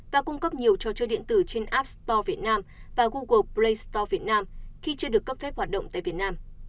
và cung cấp nhiều trò chơi điện tử trên app store việt nam và google play store việt nam khi chưa được cấp phép hoạt động tại việt nam